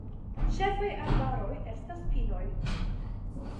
Ĉefaj arbaroj estas pinoj.